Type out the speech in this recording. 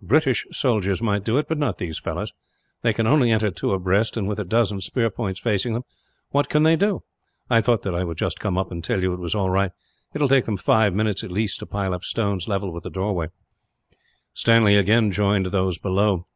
British soldiers might do it, but not these fellows. They can only enter two abreast and, with a dozen spear points facing them, what can they do? I thought that I would just come up and tell you it was all right. It will take them five minutes, at least, to pile up stones level with the doorway." Stanley again joined those below.